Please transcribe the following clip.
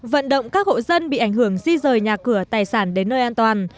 vận động các hộ dân bị ảnh hưởng di rời nhà cửa tài sản đến nơi an toàn